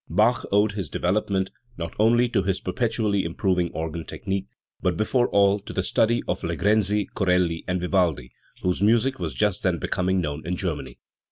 Bach owed his development not only to his perpetually improving organ technique, but before all to the study of Legrenzi, CoreUi and Vivaldi, whose music was just then becoming known in Germany.